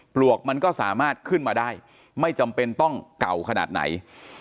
ปลวกมันก็สามารถขึ้นมาได้ไม่จำเป็นต้องเก่าขนาดไหน